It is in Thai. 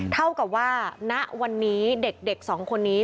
เท่ากับว่าณวันนี้เด็กสองคนนี้